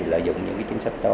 lợi dụng những chính sách đó